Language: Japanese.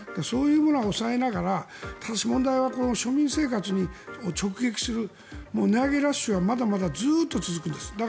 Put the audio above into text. そういうものは抑えながら問題は庶民生活を直撃する値上げラッシュはまだまだずっと続くんです。